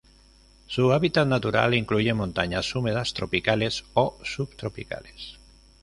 Su hábitat natural incluye montañas húmedas tropicales o subtropicales.